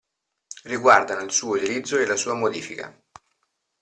Riguardano il suo utilizzo e la sua modifica.